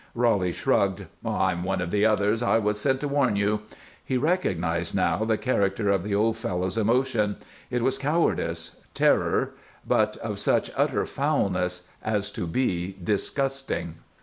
Roly shrugged. "I am one of the others. I was sent to warn you." He recognized now the character of the old fellow's emotion. It was cowardice, terror, but of such utter foulness as to be disgusting.